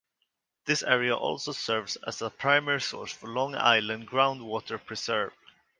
This area also serves as a primary source for Long Island's groundwater preserve.